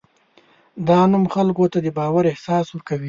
دا نوم خلکو ته د باور احساس ورکوي.